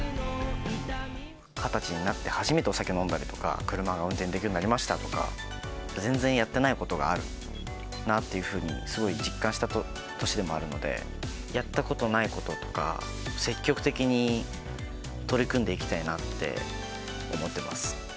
２０歳になって初めてお酒を飲んだりとか、車が運転できるようになりましたとか、全然やってないことがあるなっていうふうにすごい実感した年でもあるので、やったことないこととか、積極的に取り組んでいきたいなって思っています。